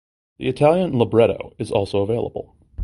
The Italian libretto is also available.